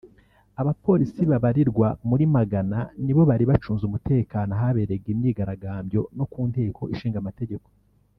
Abapolisi babarirwa muri magana ni bo bari bacunze umutekano ahaberaga iyi myigaragambyo no ku nteko ishinga amategeko